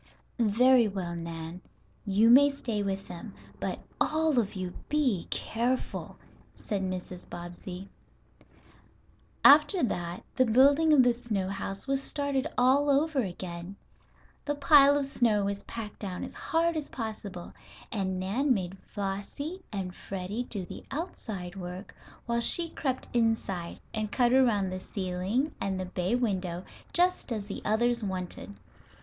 "Very well, Nan, you may stay with them. But all of you be careful," said Mrs. Bobbsey. After that the building of the snow house was started all over again. The pile of snow was packed down as hard as possible, and Nan made Flossie and Freddie do the outside work while she crept inside, and cut around the ceiling and the bay window just as the others wanted.